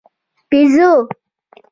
🐒بېزو